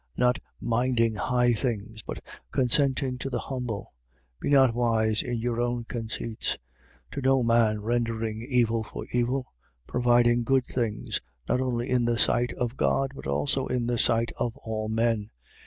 Not minding high things, but consenting to the humble. Be not wise in your own conceits. 12:17. To no man rendering evil for evil. Providing good things, not only in the sight of God but also in the sight of all men.